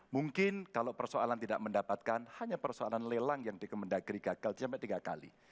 mungkin kalau persoalan tidak mendapatkan hanya persoalan lelang yang di kemendagri gagal sampai tiga kali